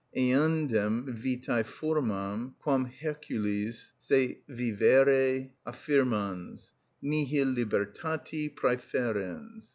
eandem vitæ formam, quam Hercules, se vivere affirmans, nihil libertati præferens.